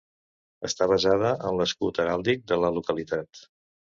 Està basada en l'escut heràldic de la localitat.